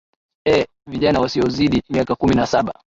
ee vijana wasiozidi miaka kumi na saba